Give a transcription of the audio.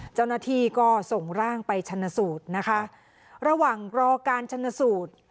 เจ้าหน้าที่ก็ส่งร่างไปชนสูตรนะคะระหว่างรอการชนสูตร